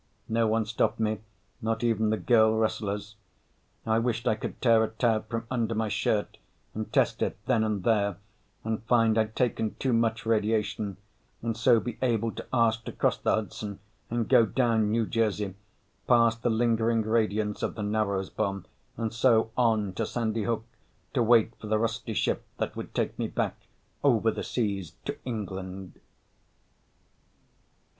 No one stopped me, not even the girl wrestlers. I wished I could tear a tab from under my shirt, and test it then and there, and find I'd taken too much radiation, and so be able to ask to cross the Hudson and go down New Jersey, past the lingering radiance of the Narrows Bomb, and so on to Sandy Hook to wait for the rusty ship that would take me back over the seas to England.